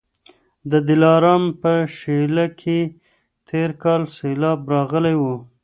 د دلارام په شېله کي تېر کال سېلاب راغلی و